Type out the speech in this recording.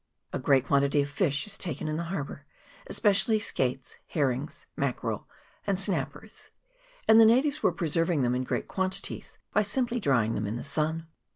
A great quan tity of fish is taken in the habour, especially skates, herrings, mackerel, and snappers ; and the natives were preserving them in great quantities by simply drying them in the sun.